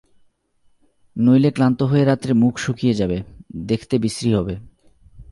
নইলে ক্লান্ত হয়ে রাত্রে মুখ শুকিয়ে যাবে– দেখতে বিশ্রী হবে।